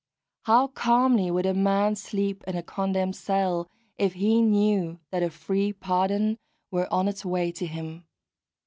How calmly would a man sleep in a condemned cell if he knew that a free pardon were on its way to him!